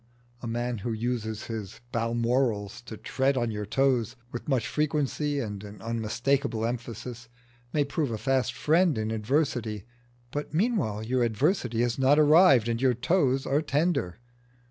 A man who uses his balmorals to tread on your toes with much frequency and an unmistakeable emphasis may prove a fast friend in adversity, but meanwhile your adversity has not arrived and your toes are tender.